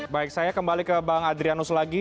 baik saya kembali ke bang adrianus lagi